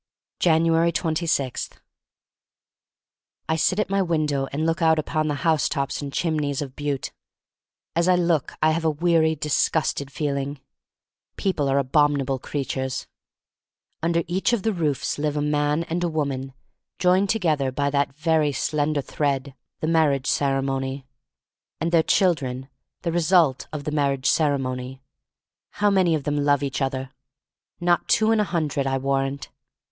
5anuari? 20* I SIT at my window and look out upon the housetops and chimneys of Butte. As I look I have a weary, disgusted feeling. People are abominable creatures. Under each of the roofs live a man and woman joined together by that very slender thread, thie marriage cere mony — and their children, the result of the marriage ceremony. How many of them love each other? Not two in a hundred, I warrant.